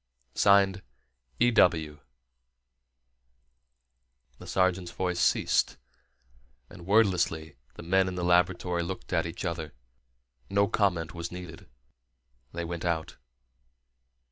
E. W. The sergeant's voice ceased, and wordlessly the men in the laboratory looked at each other. No comment was needed. They went out.